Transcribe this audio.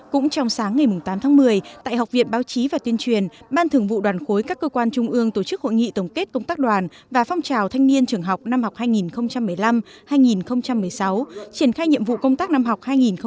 cũng trong sáng ngày tám tháng một mươi tại học viện báo chí và tuyên truyền ban thường vụ đoàn khối các cơ quan trung ương tổ chức hội nghị tổng kết công tác đoàn và phong trào thanh niên trường học năm học hai nghìn một mươi năm hai nghìn một mươi sáu triển khai nhiệm vụ công tác năm học hai nghìn hai mươi hai nghìn hai mươi